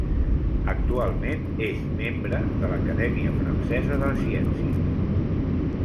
Actualment, és membre de l'Acadèmia Francesa de Ciències.